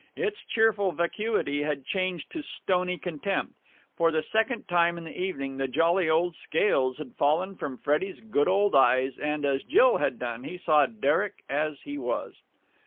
Its cheerful vacuity had changed to stony contempt. For the second time in the evening the jolly old scales had fallen from Freddie's good old eyes, and, as Jill had done, he saw Derek as he was.